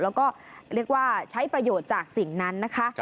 แล้วก็เรียกว่าใช้ประโยชน์จากสิ่งนั้นนะคะ